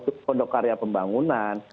sibah untuk pondok karya pembangunan